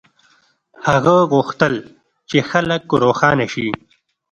هغه غوښتل چې خلک روښانه شي.